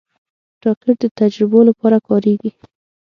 راکټ د تجربو لپاره کارېږي